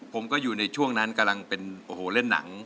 ผมก็อยู่ในช่วงนั้นกำลังเป็นโอ้โหเล่นหนัง